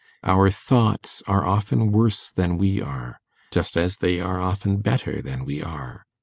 Our thoughts are often worse than we are, just as they are often better than we are.